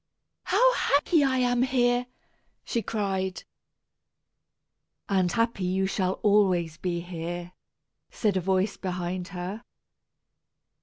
"How happy I am here!" she cried. "And happy you shall always be here," said a voice behind her.